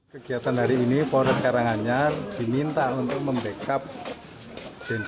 kegiatan hari ini polres karanganyar diminta untuk membebaskan